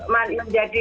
menjadi tidak sesuai